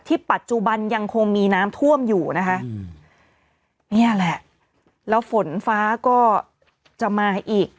ปัจจุบันยังคงมีน้ำท่วมอยู่นะคะนี่แหละแล้วฝนฟ้าก็จะมาอีก